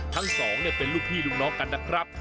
ทั้งสองเป็นลูกพี่ลูกน้องกันนะครับ